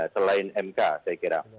selain mk saya kira